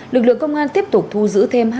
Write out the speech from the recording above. lực lượng công an tiếp tục thu giữ thêm